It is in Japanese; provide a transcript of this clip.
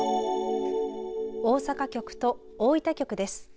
大阪局と大分局です。